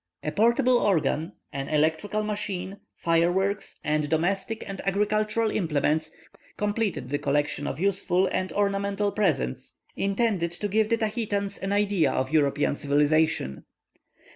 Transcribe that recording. A portable organ, an electrical machine, fireworks, and domestic and agricultural implements completed the collection of useful and ornamental presents intended to give the Tahitans an idea of European civilization.